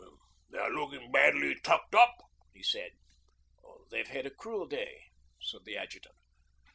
'They're looking badly tucked up,' he said. 'They've had a cruel day,' said the adjutant.